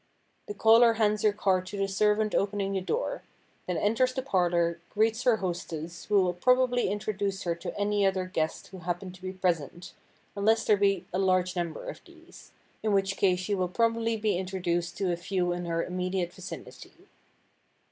The caller hands her card to the servant opening the door; then enters the parlor, greets her hostess, who will probably introduce her to any other guests who happen to be present, unless there be a large number of these, in which case she will probably be introduced to a few in her immediate vicinity.